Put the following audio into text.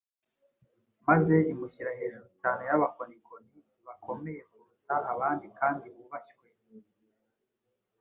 maze imushyira hejuru cyane y’abakonikoni bakomeye kuruta abandi kandi bubashywe.